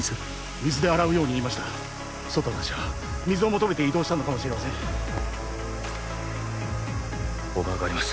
水で洗うように言いました壮太達は水を求めて移動したのかもしれません小川があります